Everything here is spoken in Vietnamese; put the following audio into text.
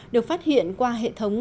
được phát hiện qua hệ thống